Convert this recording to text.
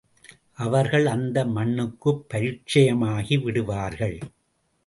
அவர்கள் அந்த மண்ணுக்குப் பரிச்சயமாகிவிடுவார்கள்.